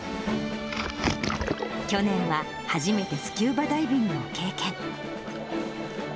去年は初めてスキューバダイビングを経験。